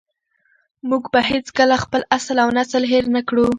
موږ به هېڅکله خپل اصل او نسل هېر نه کړو.